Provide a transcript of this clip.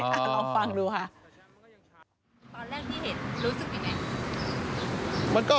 ลองฟังดูค่ะตอนแรกที่เห็นรู้สึกยังไง